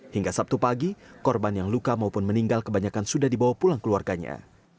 hingga sabtu pagi korban yang luka maupun meninggal kebanyakan sudah dibawa pulang keluarganya